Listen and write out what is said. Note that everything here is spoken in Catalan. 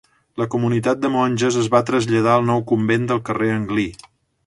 La comunitat de monges es va traslladar al nou convent del carrer Anglí.